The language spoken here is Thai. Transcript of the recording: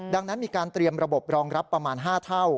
ดังนั้นมีการเตรียมระบบรองรับประมาณ๕เท่า